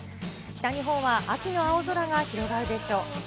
北日本は秋の青空が広がるでしょう。